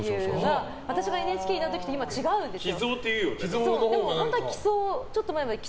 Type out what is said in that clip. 私がＮＨＫにいた時と今、違うんですよ。